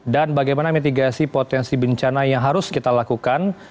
dan bagaimana mitigasi potensi bencana yang harus kita lakukan